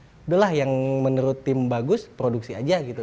sudah lah yang menurut tim bagus produksi aja gitu